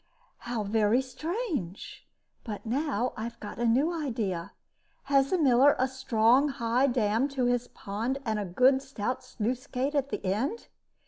"How very strange! But now I have got a new idea. Has the miller a strong high dam to his pond, and a good stout sluice gate at the end!"